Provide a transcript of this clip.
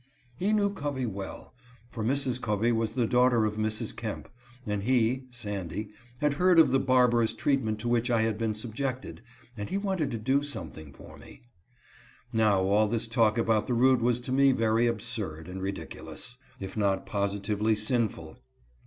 He knew Covey well, for Mrs. Covey was the daughter of Mrs. Kemp ; and he (Sandy) had heard of the barbarous treatment to which I had been subjected, and he wanted to do something for me. Now all this talk about the root was to me very absurd and ridiculous, if not positively sinful.